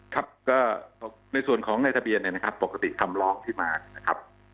ครับก็ในส่วนของในทะเบียนเนี่ยนะครับปกติคำร้องที่มานะครับ